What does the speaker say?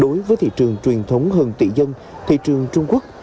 đối với thị trường truyền thống hơn tỷ dân thị trường trung quốc